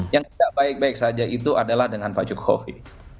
yang tidak baik baik saja itu adalah dengan pak jokowi